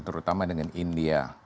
terutama dengan india